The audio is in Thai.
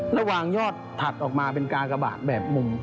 และวางยอดถัดออกมาเป็นกากบาดแบบมุม